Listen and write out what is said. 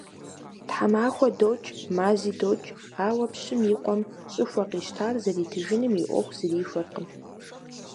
Тхьэмахуэ докӀ, мази докӀ, ауэ пщым и къуэм щӀыхуэ къищтар зэритыжыным и Ӏуэху зэрихуэркъым.